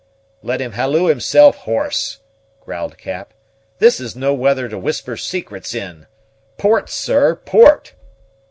"Let him halloo himself hoarse!" growled Cap. "This is no weather to whisper secrets in. Port, sir, port!"